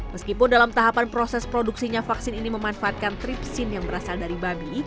meskipun dalam tahapan proses produksinya vaksin ini memanfaatkan tripsin yang berasal dari babi